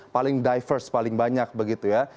paling diverse paling banyak begitu ya